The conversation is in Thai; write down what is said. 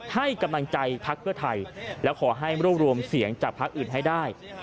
ให้กำลังใจภักดิ์เพื่อไทยแล้วขอให้ร่วมเสียงจากภักดิ์อื่นให้ได้